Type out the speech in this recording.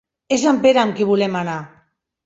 És en Pere amb qui volem anar.